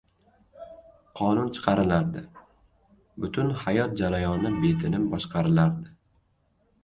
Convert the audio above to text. – qonun chiqarilardi. Butun hayot jarayoni betinim boshqarilardi.